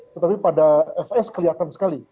tetapi pada fs kelihatan sekali